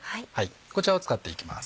こちらを使っていきます。